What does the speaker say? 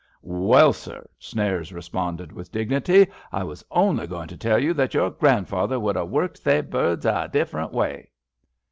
"Well, Sir,'* Snares responded with dignity, " I was only going to tell you that your grandfather would ha' worked they birds a defierent way."